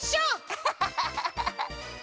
アハハハハハ。